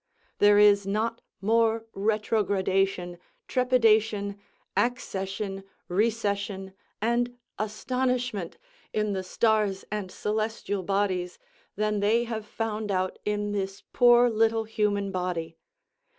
There is not more retrogradation, trepidation, accession, recession, and astonishment, in the stars and celestial bodies, than they have found out in this poor little human body.